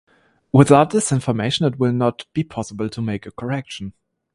Without this information it will not be possible to make a correction.